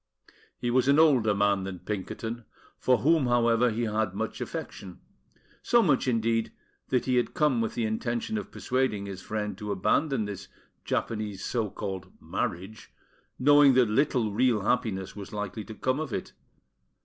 He was an older man than Pinkerton, for whom, however, he had much affection; so much, indeed, that he had come with the intention of persuading his friend to abandon this Japanese so called "marriage," knowing that little real happiness was likely to come of it.